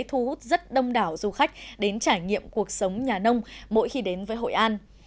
thu hút rất đông đảo du khách đến trải nghiệm cuộc sống nhà nông mỗi khi đến với hội an